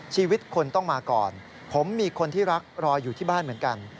ชีวิตคนต้องมาก่อนผมมีคนที่รักรออยู่ที่บ้านเหมือนกัน